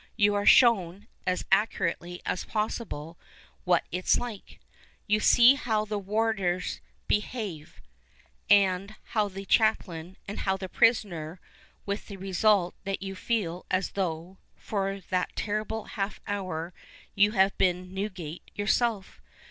You are shown, as accurately as j)ossibk', " what it's like." You sec how the warders behave, and how the chaplain and how the prisoner — with the result that you feel as though, for that terrible half hour, you had been in Newgate yourself.